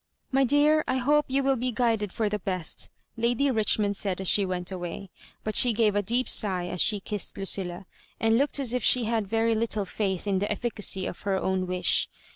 " My dear, I hope you will be guided for the best," Lady Richmond said as she went away ; Digitized by VjOOQIC 158 HISS IC ABJOBTBANSa but she gave a deep sigh as she kissed Lucilla, and looked as if she had very little faith Id the efficacy of her own wish.